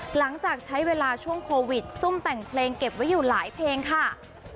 หลังจากใช้เวลาช่วงโควิดซุ่มแต่งเพลงเก็บไว้อยู่หลายเพลงค่ะ